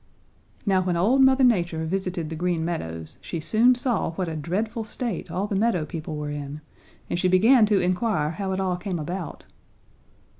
"Now when old Mother Nature visited the Green Meadows she soon saw what a dreadful state all the meadow people were in, and she began to inquire how it all came about.